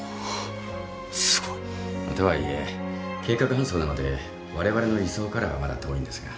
すごい。とはいえ計画搬送なのでわれわれの理想からはまだ遠いんですが。